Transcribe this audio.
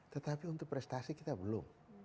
tetapi untuk prestasi kita belum